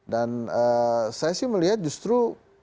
dan saya sih melihat justru